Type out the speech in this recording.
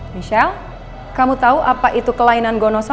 michelle kamu tau apa itu kelainan gonosom